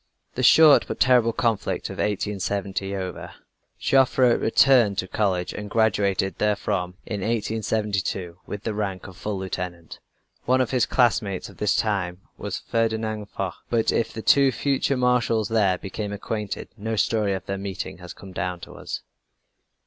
The short but terrible conflict of 1870 over, Joffre returned to college, and graduated therefrom in 1872, with the rank of full lieutenant. One of his classmates of this time was Ferdinand Foch, but if the two future Marshals there became acquainted no story of their meeting has come down to us.